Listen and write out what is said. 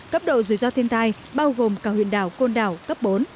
cấp độ rủi ro thiên tai bao gồm cả huyện đảo côn đảo cấp bốn